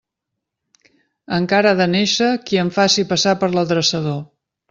Encara ha de néixer qui em faci passar per l'adreçador.